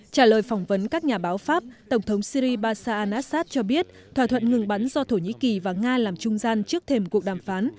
trả lời phỏng vấn các nhà báo pháp tổng thống syri basa anasat cho biết thỏa thuận ngừng bắn do thổ nhĩ kỳ và nga làm trung gian trước thềm cuộc đàm phán